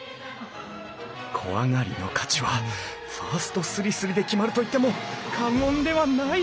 小上がりの価値はファーストすりすりで決まると言っても過言ではない！